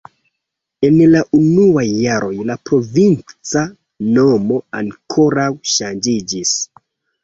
En la unuaj jaroj la provinca nomo ankoraŭ ŝanĝiĝis.